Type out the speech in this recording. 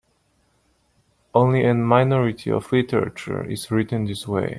Only a minority of literature is written this way.